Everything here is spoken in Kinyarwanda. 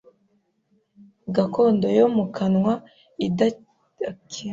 gakondo yo mu kanwa idatekereza ku bitekerezo